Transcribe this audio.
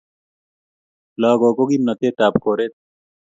lakok ko kimnatet ab koret